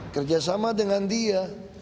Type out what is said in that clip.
kerjasama dengan dia